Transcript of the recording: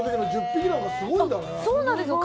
１０匹なんかすごいんだね。